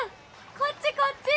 こっちこっち！